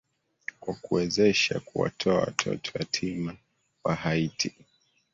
kwa kuwezesha kuwatoa watoto yatima wa haiti